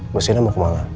mbak siena mau kemana